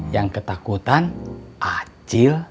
yang ketakutan acil